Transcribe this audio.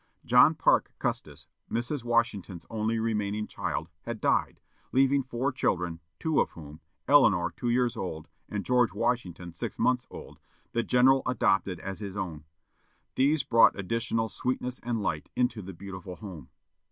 John Parke Custis, Mrs. Washington's only remaining child, had died, leaving four children, two of whom Eleanor, two years old, and George Washington, six months old the general adopted as his own. These brought additional "sweetness and light" into the beautiful home.